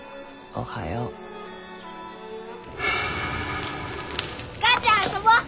お母ちゃん遊ぼう！